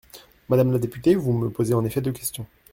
Madame la députée, vous me posez en fait deux questions.